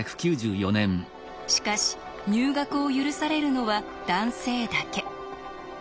しかし入学を許されるのは男性だけ。